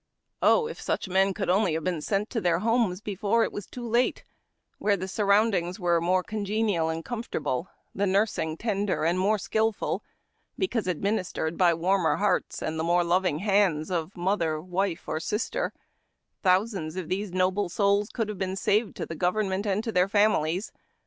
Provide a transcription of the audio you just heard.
Oh, it inch men could only have been sent to their homes before it was too late, where the surroundings were more congenial and comfortable, the nursing tender, and more skilful, be cause administered by warmer hearts and the im^re lovmg hands of mother, wife, or sister, thousands of these noble souls could have been saved to the government and to their families.